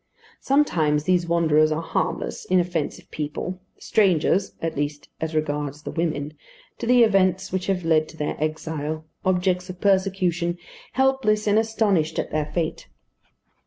Sometimes these wanderers are harmless, inoffensive people, strangers at least, as regards the women to the events which have led to their exile, objects of persecution, helpless and astonished at their fate.